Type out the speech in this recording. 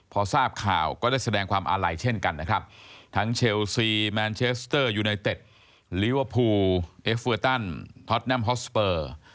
พอทราบข่าวก็ได้แสดงความอาลัยเช่นกันนะครับทั้งเชลซีแมนเชสเตอร์ยูไนเต็ดลิเวอร์พูลเอฟเวอร์ตันฮอตแนมฮอสสเปอร์